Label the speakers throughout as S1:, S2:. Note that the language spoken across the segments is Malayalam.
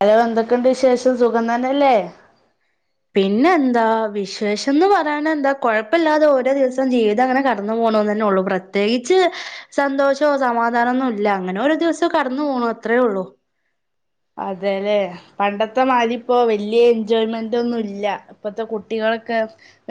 S1: ഹലോ എന്തെ എന്തൊക്കെണ്ട് വിശേഷം സുഖം തന്നെല്ലേ
S2: പിന്നെ എന്താ വിശേഷന്ന് പറയാനന്താ കൊഴപ്പില്ലാതെ ഓരോ ദിവസം ജീവിതം അങ്ങനെ കടന്നുപോണുന്നന്നെ ഉള്ളു പ്രത്യേകിച്ച് സന്തോഷോ സമാധാനന്നും ഇല്ല അങ്ങനെ ഓരോ ദിവസവും കടന്നു പോണു അത്രയേള്ളു
S1: അതെലെ പണ്ടത്തെ മാരീപ്പോ വലിയ എൻജോയ്മെന്റ് ഒന്നും ഇല്ല ഇപ്പത്തെ കുട്ടികളൊക്കെ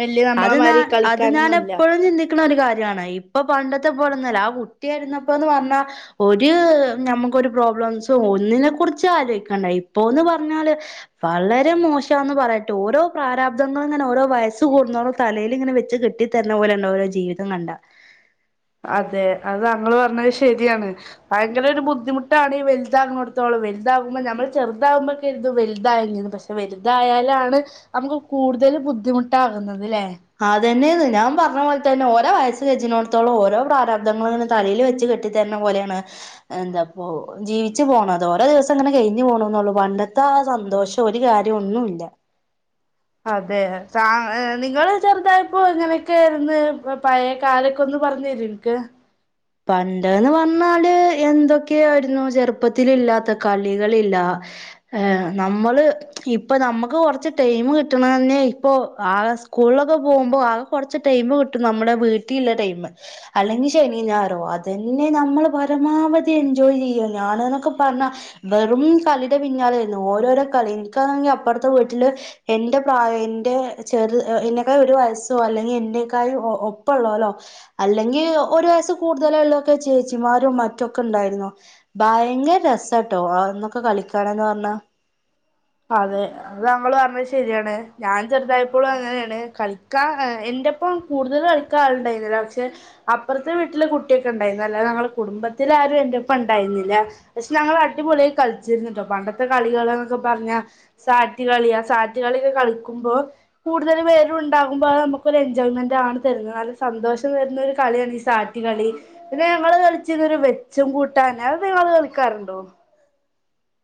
S1: വലിയ നമ്മളെ
S2: അത്ഞ
S1: മാതിരി
S2: അത് ഞാൻ
S1: കളിക്കാനൊന്നുമില്ല
S2: എപ്പോഴും ചിന്തി ന്ന ഒരു കാര്യമാണ് ഇപ്പൊ പണ്ടത്തെ പോലെന്നും അല്ല കുട്ടിയായിരുന്നപ്പോന്ന് പറഞ്ഞാ ഒരു നമുക്കൊരു പ്രോബ്ലംസും ഒന്നിനെ കുറിച്ച് ആലോചിക്കണ്ട ഇപ്പൊന്ന് പറഞ്ഞാല് വളരെ മോശന്ന് പറയട്ട് ഓരോ പ്രാരാബ്ധങ്ങൾ ഇങ്ങനെ ഓരോ വയസ്സ് കൂടു കുന്നോളം തലലെ ഇങ്ങനെ വെച്ച് കെട്ടി തരുന്ന പോലെണ്ടാവും ഓരോ ജീവിതം കണ്ട
S1: അതെ അത് നമ്മൾ പറഞ്ഞത് ശരിയാണ് ഭയങ്കര ഒരു ബുദ്ധിമുട്ടാണ് ഈ വലുതാകുന്നോടത്തോളം വലുതാകുമ്പോ നമ്മൾ ചെറുതാകുമ്പോ കരുതും വലുതായങ്ങീന്ന് പക്ഷെ വലുതായാലാണ് നമുക്ക് കൂടുതൽ ബുദ്ധിമുട്ടാകുന്നതല്ലെ
S2: അതെ ന്നെന്ന് ഞാൻ പറഞ്ഞ പോലെ തന്നെ ഓരോ വയസ് കജ്ജ്നോടത്തോളം ഓരോ പ്രാരാബ്ധങ്ങളും ഇങ്ങനെ തലയിൽ വെച്ച് കെട്ടിത്തരുന്ന പോലെയാണ് എന്താപ്പോ ജീവിച്ചു പോണം അത് ഓരോ ദിവസം അങ്ങനെ കഴിഞ്ഞ് പോണുന്നുള്ളു പണ്ടത്തെ ആ സന്തോഷം ഒരു കാര്യം ഒന്നുല്ല
S1: അതെ താ നിങ്ങള് ചെറുതായപ്പോ എങ്ങനെയൊക്കെര്ന്ന് പഴയ കാലൊക്കെ ഒന്ന് പറഞ്ഞരോ എനിക്ക്
S2: പണ്ട് ന്ന് പറഞ്ഞാല് എന്തൊക്കെയായിരുന്നു ചെറുപ്പത്തിൽ ഇല്ലാത്ത കളികളില്ല ഏ നമ്മള് ഇപ്പോ നമുക്ക് കൊറച്ച് ടൈം കിട്ടണന്നെ ഇപ്പോ ആ സ്കൂളിലൊക്കെ പോകുമ്പോ ആ കൊറച് ടൈം കിട്ടും നമ്മുടെ വീട്ടിലുള്ള ടൈം അല്ലെങ്കിൽ ശനി ഞായർ അതെന്നെ നമ്മൾ പരമാവധി എൻജോയ് ചെയ്യ ഞാന് ന്നൊക്കെ പറഞ്ഞ വെറും കളിടെ പിന്നാലെ ആയിരുന്നു ഓരോരോ കളി എനിക്കാണെങ്കിൽ അപ്പറത്തെ വീട്ടില് എന്റെ പ്രായ എന്റെ ചെർ ഏ എന്നേക്കാൾ ഒരു വയസ്സോ അല്ലെങ്കിൽ എക്കാൾ ഒപ്പള്ളോലോ അല്ലെങ്കിൽ ഒരു വയസ് കൂടുതലൂള്ളൊക്കെ ചേച്ചിമാരും മറ്റൊക്കെ ഉണ്ടായിരുന്നു ഭയങ്കര രസാട്ടോ അന്നൊക്കെ കളിക്കന്ന് പറഞ്ഞ
S1: അതെ അത് നമ്മൾ പറഞ്ഞത് ശരിയാണ് ഞാൻ ചെറുതായപ്പോഴും അങ്ങനെയാണ് കളിക്കാൻ എന്റെപ്പം കൂടുതൽ കളിക്കാൻ ആളുണ്ടായിരുന്നില്ല പക്ഷെ അപ്പുറത്തെ വീട്ടിലെ കുട്ടിയൊക്കെ ഉണ്ടായിരുന്നു അല്ലാതെ ഞങ്ങളെ കുടുംബത്തിലെ ആരും എന്റെ ഒപ്പം ഉണ്ടായിരുന്നില്ല പക്ഷെ ഞങ്ങൾ അടിപൊളിയായി കളിച്ചിരുന്നട്ടോ പണ്ടത്തെ കളികളൊക്കെ പറഞ്ഞ സാറ്റ് കളി ആ സാറ്റ് കളിയൊക്കെ കളിക്കുമ്പോ കൂടുതൽ പേരുണ്ടാകുമ്പോ അത് നമുക്കൊരു എൻജോയ്മെന്റ് ആണ് തരുന്നത് നല്ല സന്തോഷം തരുന്ന ഒരു കളിയാണ് ഈ സാറ്റ് കളി പിന്നെ ഞങ്ങള് കളിചിര്ന്നത് വെച്ചും കൂട്ടന് അത് നിങ്ങൾ കളിക്കാറുണ്ടോ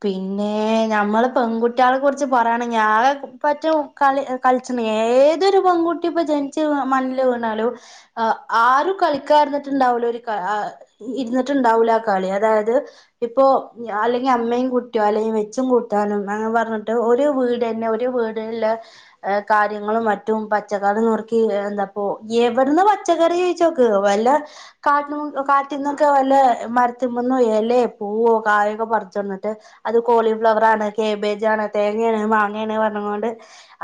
S2: പിന്നെ നമ്മൾ പെൺകുട്ടികളെ കുറിച്ച പറയാനാകെ [unintelligible] ഏതെയൊരു പെൺകുട്ടി ജനിച്ചേ മണ്ണിലേവിണലും ആരും കളിക്കാതെ ഇരിന്നിടെണ്ടാവില്ല ഒരു ക ആഏ ഇരിന്നിട്ട്ടിണ്ടാവുല്ല കളിയാണത് ഇപ്പൊ അല്ലകിൽ അമ്മ കുട്യാളിം വെച്ചും കൂട്ടാനും അങ്ങനെ പറഞ്ഞിട്ട് ഒരു വീട് തന്നെ ഒരു വീട്ല്ലേ കാര്യങ്ങളും മറ്റും പച്ചക്കറിനുറുക്കി എന്താപോ എവിടന്ന് പച്ചക്കറി ചോയ്ചോക്ക് വല്ല കാട്ട്മു കാട്ടിന്നോക്കെ വല്ല മരത്തുമെന്നും എലെ പൂവോ കായൊക്കെ പർച്ച്വന്നി അത് കോളിഫ്ലവർ ആണ് കേബേജണ് തേങ്ങേണ് മാങ്ങേണ് പറഞ് കൊണ്ട്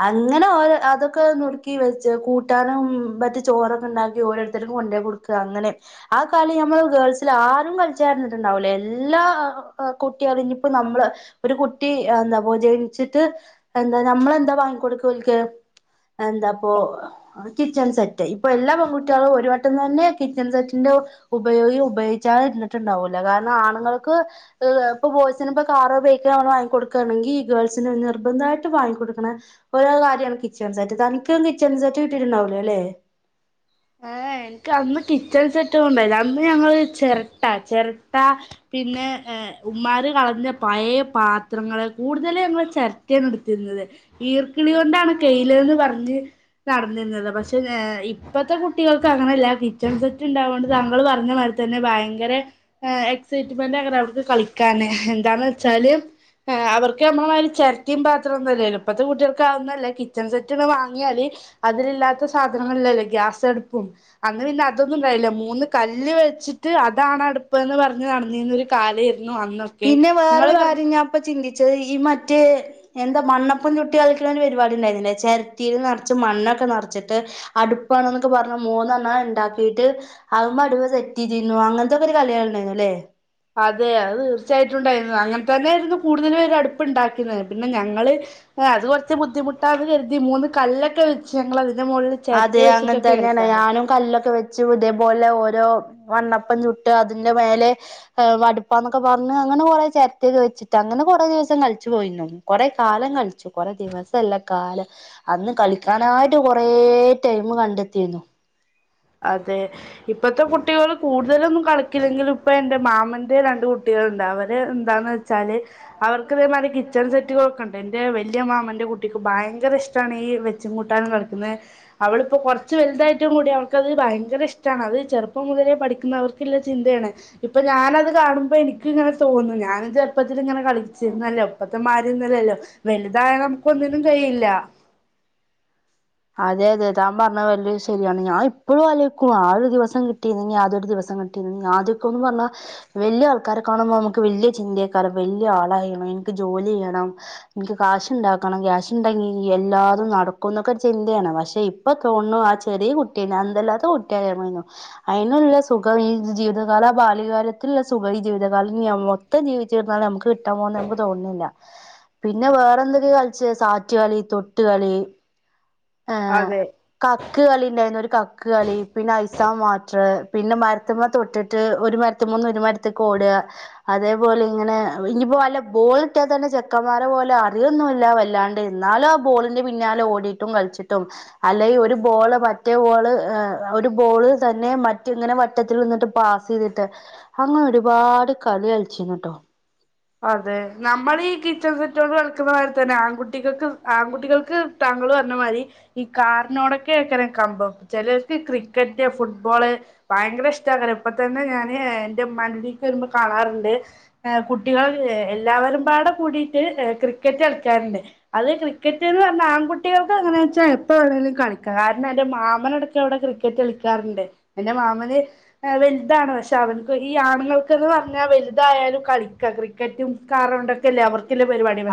S2: അങ്ങനെ ഓരോ അതൊക്കെ നൂറുക്കി വെച്ച് കൂട്ടാനും മറ്റ ചോറൊക്കെ ഉണ്ടാക്കി ഓരോരുത്തർക്കു കൊണ്ടോയി കൊടുക്കുക അങ്ങനെ ആ കളി ഞമ്മൾ ഗേൾസിൽ ആരും കളിച്ചരുന്നിട്ടുണ്ടാവൂലോ എല്ലാ കുട്ടി കുട്ടി അത് ഞപ്പോ നമ്മള് ഒരു കുട്ടി എന്താപ്പോ ജനിച്ചിട്ട് എന്താ നമ്മളെന്താ വാങ്ങിക്കൊടുക്ക ഓൽക്ക് എന്താപ്പോ കിച്ചൺ സെറ്റ് ഇപ്പോ എല്ലാ പെൺകുട്ടികളും ഒരു വട്ടം തന്നെ കിച്ചൺ സെറ്റിന്റെ ഉപയോഗി ഉപയോഗിച്ചാദേ ഇര്ന്നിട്ടുണ്ടാവൂല്ല കാരണം ആണുങ്ങൾക്ക് ഇപ്പൊ ബോയ്സിന് ഇപ്പൊ കാറ് ബൈക്ക് വാങ്ങി കൊടുക്കണെങ്കിൽ ഗേൾസിന് നിർബന്ധമായിട്ട് വാങ്ങികൊടുക്കണ ഒരു കാര്യമാണ് കിച്ചൺ സെറ്റ് തനിക്ക് കിച്ചൺ സെറ്റ് കിട്ടിട്ടുണ്ടാവൂലലെ
S1: ഏ എനിക്ക് അന്ന് കിച്ചൺ സെറ്റ്ണ്ടായിരന്നില്ല അന്ന് ഞങ്ങൾ ചിരട്ട ചിരട്ട പിന്നെ ഏ ഉമ്മാർ കളഞ്ഞ പഴയ പാത്രങ്ങള് കൂടുതൽ ഞങ്ങൾ ചിരട്ടാണ് എടുത്തിരുന്നത് ഈർക്കിളി കൊണ്ടാണ് കെയിൽന്ന് പറഞ്ഞ് നടന്നീന്നത് പക്ഷേ ഏ ഇപ്പത്തെ കുട്ടികൾക്ക് അങ്ങനല്ല കിച്ചൺ സെറ്റ് ഉണ്ടാവുകൊണ്ട് താങ്കൾ പറഞ്ഞ മാതിരിതന്നെ ഭയങ്കര എക്സൈറ്റ്മെന്റ് ആക്കരം അവർക്ക് കളിക്കാന് എന്താന്ന് വച്ചാല് അവർക്ക് നമ്മളമായിരി ചെരറ്റിയും പാത്രന്നുല്ലല്ലോ ഇപ്പഴത്തെ കുട്ടികൾക്ക് അതൊന്നുഅല്ല കിച്ചൺ സെറ്റ് വാങ്ങിയാല് അതിലില്ലാത്ത സാധനങ്ങളിലല്ലോ ഗ്യാസടുപ്പും അന്ന് പിന്നെ അതൊന്നും ഉണ്ടായില്ല മൂന്ന് കല്ല് വെച്ചിട്ട് അതാണ് അടുപ്പ് എന്ന് പറഞ്ഞ് നടന്നിര്ന്ന ഒരു കാലേര്ന്നു
S2: പിന്നെ വേറൊരു കാര്യം ഞാപ്പചിന്തി ച്ചത് ഈ മറ്റേ എന്താ മണ്ണപ്പൻ ചുട്ട് കളിക്കണ ഒരു പരിപാടി ഉണ്ടായിര്ന്നില്ലേ ചേരട്ടൽ നിറച്ച് മണ്ണൊക്കെ നിറച്ചിട്ട് അടുപ്പാണ്ന്നൊക്കെ പറഞ്ഞ മൂന്നെണ്ണണ്ടാക്കിട്ട് ആകുമ്പോ അടുപ്പ് സെറ്റ് ചെയ്തീര്ന്നു അങ്ങനത്തെക്കെ ഒരു കളികളുണ്ടായിരുന്നുല്ലേ
S1: അതെ അത് തീർച്ചയായിട്ടും ഉണ്ടായിരുന്നു അങ്ങനെ തന്നെ ആയിരുന്നു കൂടുതല് പേരും അടുപ്പ് ഉണ്ടാക്കിന്നത് പിന്നെ ഞങ്ങള് ഏ അത് കുറച്ച് ബുദ്ധിമുട്ടാന്ന് കരുതി മൂന്ന് കല്ലൊക്കെ വെച്ച് ഞങ്ങള
S2: അതെ അങ്ങനെ തന്നെയാണ് ഞാനും കല്ലൊക്കെ വെച്ചു ഇതേപോലെ ഓരോ മണ്ണപ്പം ചുട്ട് അതിന്റെ മേലെ വടുപ്പന്നൊക്കെ പറഞ്ഞഞ് അങ്ങനെ കൊറെ ചെറട്ട ഒക്കെ വെച്ചിട്ട് അങ്ങനെ കൊറെ ദിവസം കളിച്ചു പോയിരുന്നു കൊറെ കാലം കളിച്ചു കൊറെേ ദിവസല്ല കാലം അന്ന് കളിക്കാനായിട്ട് കൊറെ കുറെ ടൈമ് കണ്ടെത്തിരുന്നു
S1: അതെ ഇപ്പത്തെ കുട്ടികൾ കൂടുതലൊന്നും കളിക്കില്ലെങ്കിൽ ഇപ്പൊ എൻറെ മാമന്റെ രണ്ട് കുട്ടിലെണ്ട് അവര് എന്താന്ന് വെച്ചാല് അവർക്ക ഇതേമാതി കിച്ചൺ സെറ്റുകളൊക്കെ ഉണ്ട് എൻറെ വലിയ മാമന്റെ കുട്ടിക്ക് ഭയങ്കര ഇഷ്ടമാണ് ഈ വെച്ചും കൂട്ടാനും കളിക്കുന്നത് അവളിപ്പോ കൊറച്ച് വലുതായിട്ടും കൂടി അവ ക്ക്ത് ഭയങ്കര ഇഷ്ട്ടണ് അത് ചെറുപ്പം മുതലെ പഠിക്കുന്നവർക്കുള്ള ചിന്തയാണ് ഇപ്പോഞാനത് കാണുമ്പോ എനിക്ക്ങ്ങനെ തോന്നും ഞാന് ചെറുപ്പത്തിൽ ഇങ്ങനെ കളിച്ചിരുന്നല്ലേ പ്പത്തെമാരിന്നല്ലല്ലോ വലുതായ നമുക്ക് ഒന്നിനും കഴിയില്ല
S2: അതെ അതെ താൻ പറഞ്ഞ വല്യ ശരിയാണ് ഞാൻ ഇപ്പോഴും അലോയ്ക്കുവ ആ ഒരു ദിവസം കിട്ടിര്ന്നെങ്കിൽ അതൊരു ദിവസം കിട്ടിരുന്നെ ആദ്യക്കന്ന് പറഞ്ഞാ വലിയ ആൾക്കാരെ കാണുമ്പോ നമുക്ക് വല്യ ചിന്തയക്കാരം വലിയ ആളായിന് എനിക്ക് ജോലി ചെയ്യണം എനിക്ക് കാശ്ണ്ടാക്കണം ക്യാഷ് ഉണ്ടെങ്കി എല്ലാതും നടക്കുന്നൊക്കെ ചിന്തയാണ് പക്ഷെ ഇപ്പോ തോന്നു ആ ചെറിയ കുട്ടി അന്തല്ലാത്ത കുട്ടിയായമതിയെന്നു അയ് നുള്ള സുഖം ഈ ജീവിതകാല ആ ബാല്യകാലത്തിലുള്ള സുഖം ഈ ജീവിതകാലം മൊത്തം ജീവിചിരുന്നാലും നമുക്ക് കിട്ടാ പോകുന്ന് നമുക്ക് തോന്നുന്നില്ല പിന്നെ വേറെ എന്തൊക്കെ കളിചെ സാറ്റ് കളി തൊട്ടുകളി ഏ
S1: അതെ
S2: കക്ക് കളി ഉണ്ടായിരുന്നു ഒരു കക്ക് കളി പിന്നെ ഐസാവാട്ടർ പിന്നെ മരത്തിമ്മ തൊട്ടിട്ട് ഒരു മരത്തിമ്മന്ന് ഒരു മരത്തേക്ക് ഓടുക അതേപോലെ ഇങ്ങനെ ഇഞ്ഞിപ്പോ വല്ല ബോൾ കിട്ടിയ തന്നെ ചെക്കന്മാരെ പോലെ അറിയൊന്നുല്ല വല്ലാണ്ട് എന്നാലും ആ ബോളിന്റെ പിന്നാലെ ഓടി ട്ടും കളിച്ചിട്ടും അല്ലെങ്കി ഒരു ബോള് മറ്റേ ബോള് ഏ ഒരു ബോള് തന്നെ മറ്റ ഇങ്ങനെ വട്ടത്തിൽ നിന്നിട്ട് പാസ് ചെയ്തിട്ട് അങ്ങനെ ഒരുപാട് കളി കളിച്ചിന്ന്ട്ടോ
S1: അതെ നമ്മൾ ഈ കിച്ചൺ സെറ്റോട് കളിക്കുന്ന മാരിതന്നെ ആൺകുട്ടികൾക്ക് ആൺകുട്ടികൾക്ക് താങ്കള് പറഞ്ഞമാതിരി ഈ കാറിനോടൊക്കെകാരം കമ്പം ചിലർക്ക് ക്രിക്കറ്റ് ഫുട്ബോള് ഭയങ്കര ഇഷ്ടക്കരം ഇപ്പ തന്നെ ഞാന് എന്റെ മ്മാൻ്റെകുടിക്ക് വരുമ്പോ കാണാറുണ്ട് ഏ കൂ കുട്ടികൾ എല്ലാവരുംപാടെ കൂടിയിട്ട് ക്രിക്കറ്റ് കളിക്കാറുണ്ട് അത് ക്രിക്കറ്റ് എന്ന് പറഞ്ഞാ ആൺകുട്ടികൾക്ക് അങ്ങനെ വെച്ചാ എപ്പവേണേലും കളിക്കാം കാരണം എന്റെ മാമന് ഇടക്ക് അവിടെക്കെ ക്രിക്കറ്റ് കളിക്കാറുണ്ട് എന്റെ മാമന് വലുതാണ് പക്ഷെ അവൻക്ക് ഈ ആണുങ്ങൾക്കന്ന് പറഞ്ഞാൽ വലുതായാലും കളിക്ക ക്രിക്കറ്റും കാറോണ്ടൊ ക്കല്ലേ അവർക്ക്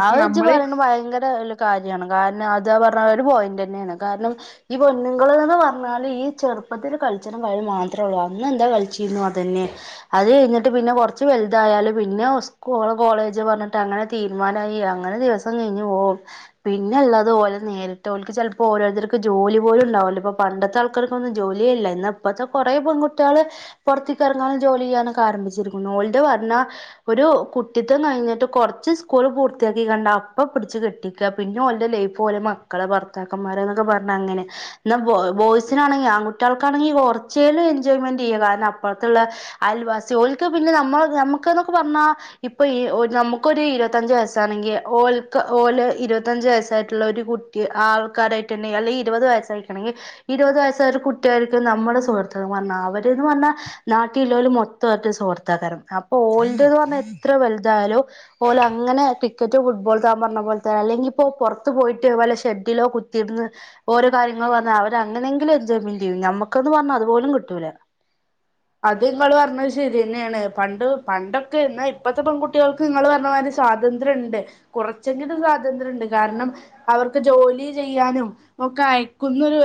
S2: അത് ജ്ജ് പറയണത് ഭയങ്കര വല്ലിയ ഒരു കാര്യമാണ് കാരണം അതാ പറഞ്ഞ അത് പോയന്റ് തന്നെയാണ് കാരണം ഈ പൊണ്ണുങ്ങൾന്ന് പറഞ്ഞാല് ഈ ചെറുപ്പത്തിൽ കളിച്ച്ണത് വഴി മാത്രേ ഉള്ളൂ അന്ന എന്താ കളിച്ചിരുന്നു അത് തന്നെ അത് കഴിഞ്ഞിട്ട് പിന്നെ കുറച്ച് വലുതായാലും പിന്നെ സ്കൂൾ കോളേജ് പറഞ്ഞിട്ട് അങ്ങനെ തീരും തീരുമാനായി അങ്ങനെ ദിവസം കഴിഞ് പോവും പിന്നെ ള്ളത് ഓരോ നേരത്ത് ഓല്ക്ക് ചിലപ്പോ ഓരോരുത്തർക്ക് ജോലി പോലും ഉണ്ടാവല്ലോ ഇപ്പൊ പണ്ടത്തെ ആൾക്കാക്കൊന്നും ജോലിയല്ല ന്നാ ഇപ്പത്തെ കൊറെേ പെൺകുട്ടികള് പുറത്തക്കിഇറങ്ങാനും ജോലി ചെയ്യാനൊക്കെ ആരംഭിച്ചിരിക്കുന്നു ഒലത്ന്ന് പറഞ്ഞാ ഒരു കുട്ടിത്വം കഴിഞ്ഞിട്ട് കുറച്ച് സ്കൂള് പൂർത്തിയാക്കി കണ്ട അപ്പ പിടിച്ച് കെട്ടിക്ക പിന്നെ ഓലെ ലൈഫ് പോലെ മക്കള് ഭർത്താക്കന്മാർ എന്നൊക്കെ പറഞ്ഞ അങ്ങനെ എന്ന ബോയ്സിനാണെങ്കിൽ ആൺകുട്ടികൾക്കാണെങ്കിൽ കുറച്ചേലും എൻജോയ്മെന്റ് ചെയ്യ കാരണം അപ്പുറത്തുള്ള അയൽവാസികൾക്ക് പിന്നെ നമ്മ നമ്മുക്ക് എന്നൊക്കെ പറഞ്ഞാ ഇപ്പൊ ഈ നമുക്കൊരു ഇരുബത്തഞ്ചവയസാണെങ്കിൽ ഓക്ക്ഓല് ഇരുപത്തഞ്ച വയസായിട്ടുള്ള ഒരു കുട്ടി ആൾക്കാരായിട്ടെന്നെ അല്ലെങ്കിൽ ഇരുപത് വയസ്സായിരിക്കണെങ്കിൽ ഇരുപത് വയസ ഒരു കുട്ടിയ ആയിരിക്കും നമ്മളെ സുഹൃത്തക്ക പറഞ്ഞ അവരന്ന് പറഞ്ഞാ നാട്ടില്ലോല് മൊത്തമായി സുഹൃത്തക്കാരാണ് അപ്പൊ ഓല്ത് ന്ന് പറഞ്ഞാൽ എത്ര വലുതായാലും ഓ അങ്ങനെ ക്രിക്കറ്റോ ഫുട്ബോൾ താൻ പറഞ്ഞ പോല തെ അല്ലെങ്കി ഇപ്പോപുറത്ത് പോയിട്ട് ഷെഡിലോ കുത്തിയിര്ന്ന് ഓരോ കാര്യങ്ങള് പറഞ്ഞ അവര് അങ്ങനെയെങ്കിലും എൻജോയ്മെന്റ് ചെയ്യും നമ്മക്കന്ന് പറഞ്ഞു അതുപലുംകിട്ടൂല്ല
S1: അത് നിങ്ങൾ പറഞ്ഞത് ശരി തന്നെയാണ് പണ്ട് പണ്ടൊക്കൊ ഇപ്പത്തെ പെൺകുട്ടികൾക്ക് നിങ്ങള് പറഞ്ഞമാതിരി സ്വാതന്ത്ര്യം ഉണ്ട് കുറച്ചെങ്കിലും സ്വാതന്ത്ര്യം ഉണ്ട് കാരണം അവർക്ക് ജോലി ചെയ്യാനും ഒക്കെ അയക്കുന്നൊരു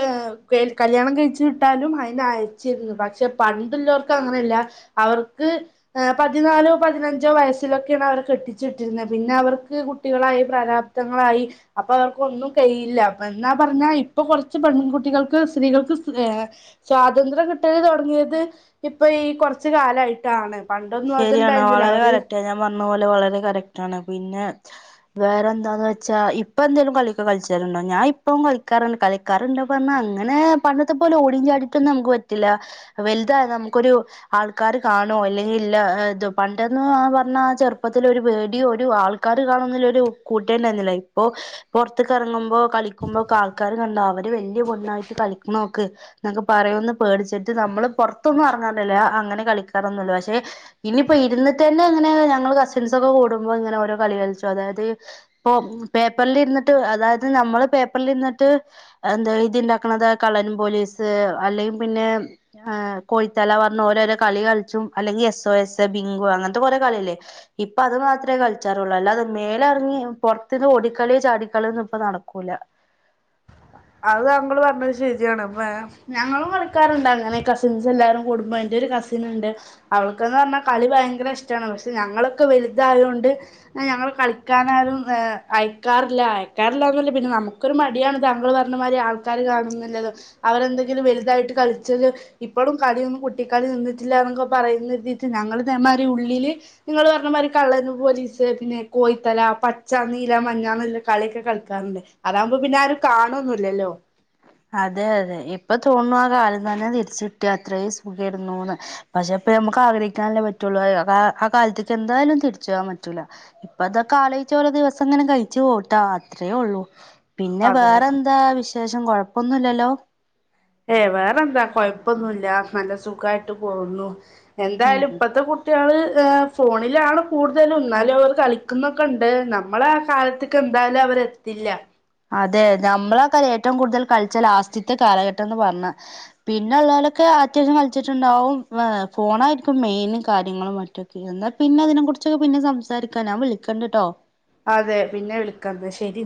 S1: കല്യാണം കഴിച്ച വിട്ടാലും അതിനന് അയച്ചിരുന്നു പക്ഷെ പണ്ട് ലോർക് അങ്ങനെയല്ല അവർക്ക് പതിനാലോ പതിനഞ്ചോ വയസ്സിലൊക്കെയാണ് അവരെ കെട്ടിച്ചുവിട്ടിരുന്നത് പിന്നെ അവർക്ക് കുട്ടികളായി പ്രാരാപ്തങ്ങളായി അപ്പൊ അവർക്ക് ഒന്നും കഴയില്ല ന്നാ പറഞ്ഞാ ഇപ്പൊ കുറച്ച് പെൺകുട്ടികൾക്ക് സ്ത്രീകൾക്ക് സ്വാതന്ത്ര്യം കിട്ടി തുടങ്ങിയത് ഇപ്പൊ ഈ കുറച്ച കാലമായിട്ടാണ്
S2: ശരിയാണ് വളരെ കറക്റ്റ് ഞാൻ പറഞ്ഞ പോലെ വളരെ കറക്റ്റ് ആണ് പിന്നെ വേറെ എന്താന്ന് വെച്ചാ ഇപ്പ എന്തെലും കളിക്കൊക്കെ കളിച്ചാരുണ്ടോ ഞാൻ ഇപ്പ കളിക്കാറണ്ട് കളിക്കാറണ്ടോ പറഞ്ഞാ അങ്ങനെ പണ്ടത്തെ പോലെ ഓട ചാടിയിട്ടൊന്നും നമുക്ക് പറ്റില്ല വലുതായ നമുക്കൊരു ആൾക്കാര് കാണോ അല്ലെങ്ക ഇല്ല ഇത പണ്ടെന്ന് പറഞ്ഞ ചെറുപ്പത്തി ഒരു പേടിയോ ഒരു ആൾക്കാാര് കാണന്നില്ല ഒരു കൂട്ടേണ്ടായിരുന്നില്ല ഇപ്പോ പുറത്തേക്ക ഇറങ്ങുമ്പോൾ കളിക്കുമ്പോൊക്കെ ആൾക്കാര് കണ്ട അവര് വലിയ പൊണായിട്ട് കളിക്കുന്നൊക്ക എന്നൊക്കെ പറയൊന്ന് പേടിച്ചിട്ട് നമ്മള് പുറത്തൊന്നും ഇറങ്ങാറില്ലല്ലേ അങ്ങനെ കളിക്കാറൊന്നും ഇല്ല പക്ഷേ പക്ഷെ ഇനിയിപ്പോ ഇരുന്നിട്ട് തന്നെ ഇങ്ങനെ ഞങ്ങള്ൾ കസിൻസൊക്കെ കൂടുമ്പോ ഇങ്ങനെ ഓരോ കളി കളിച്ചു അതായത് ഇപ്പൊ പേപ്പറൽ ഇരുന്നിട്ട് അതായത് നമ്മള് പേപ്പറിൽ ഇരുന്നിട്ട് എന്താ ഇത്ണ്ടാക്കണത് കളൻ പോലീസ് അല്ലെങ്കിൽ പിന്നെ കോഴിത്തല പറഞ്ഞ ഓരോരോ കളി കളിച്ചും അല്ലെങ്കി എസ് ഒ എസ് ബിങ്കോ അങ്ങനത്തെ ഓരോ കളിയല്ലേ ഇപ്പൊ അത് മാത്രമേ കളിച്ചാറൊള്ളൂ അല്ല അത് മേലെ ഇളകി പുറത്തക്ക് ഓടിക്കളി ചാടിക്കളിയൊന്നും ഇപ്പൊ നടക്കൂല
S1: അത് താങ്കൾ പറഞ്ഞത് ശരിയാണ് അപ്പ ഞങ്ങളും കളിക്കാറണ്ട് അങ്ങനെ കസിൻസ് എല്ലാരും കടുമ്പോൾ എന്റെ ഒരു കസിൻ ഉണ്ട് അവൾക്കന്ന് പറഞ്ഞാൽ കളി ഭയങ്കര ഇഷ്ടമാണ് പക്ഷെ ഞങ്ങളൊക്കെ വലുതായതോണ്ട് കൊണ്ട് ഞങ്ങള്ൾ കളിക്കാന ആരും അയക്കാറില്ല അയക്കാറില്ലന്നല്ല പിന്നെ നമുക്കരു മടിയാണ് താങ്കൾ പറഞ്ഞ പറഞ്ഞ മാതിരി ആൾക്കാര് കാണുംഎന്നുള്ളതും അവരെന്തെങ്കിലും വലുതായിട്ട് കളിച്ചത് ഇപ്പോഴും കളിയൊന്നും കുട്ടിക്കളി നിന്നിട്ടില്ല എന്നൊക്കെ പറയുംന്ന് കരുതിട്ട് ഞങ്ങള് മ്മാതിരി ഉള്ളില് നിങ്ങള്ൾ പറഞ്ഞമാതിരി കള്ളന് പോലീ പിന്നെ കോയ്ത്തല പച്ച നീല മഞ്ഞല്ല കളിയൊക്കെ കളികളിക്കാറുണ്ട് അതാകുമ്പോ പിന്നെ ല്ലല്ലോ
S2: അതെ അതെ ഇപ്പൊ തോന്നു ആ കാലം തന്നെ തിരിച്ചകിട്ടിയാ എത്ര സുഖയിരുന്നു പക്ഷെപ്പ നമുക്ക് ആഗ്രഹിക്കാനല്ലേ പറ്റുള്ളു ആ കാലത്തേക്ക് എന്തായാലും തിരിച്ചു പോൻ പറ്റൂല ഇപ്പ അതാ ലോഴിച്ച പഓരോ ദിവസം ഇങ്ങനെ കഴിച്ചു കൂട്ടാ അത്രേ ഉള്ളൂ പിന്നെ
S1: അതെ
S2: വേറെന്താ വിശേഷം കൊയപ്പം ഒന്നുംല്ലല്ലോ
S1: ഏ വേറെ എന്താ കൊഴപ്പൊന്നുമല്ല നല്ല സുഖായിട്ട് പോകുന്നു
S2: ഉം
S1: എന്തായാലും ഇപ്പത്തെ കുട്ടികള് ഫോണിലാണ് കൂടുതലും എന്നന്നാലും അവർ കളിക്കുന്നൊക്കെ ഉണ്ട് നമ്മള ആ കാലത്തേക്ക എന്തായാലും അവര എത്തില്ല
S2: അതെ നമ്മളെക്ക ഏറ്റവും കൂടുതൽ കളിച്ച ലാസ്റ്റ്ത്തെ കാലഘട്ടംന്ന് പറഞ്ഞ പിന്നെ ഉള്ളലൊക്കെ അത്യാവശ്യം കളിച്ചിട്ടുണ്ടാവും ഫോണായിയിരിക്കും മെയിൻ കാര്യങ്ങളും മറ്റൊക്കെ എന്നാ പിന്നെ അതിനെ കുറിച്ചൊക്കെ പിന്നെ സംസാരിക്കാൻ ഞാൻ വിളിക്കണ്ട കേട്ടോ
S1: അതെ പിന്നെ വിളിക്ക ന്നാ ശെരി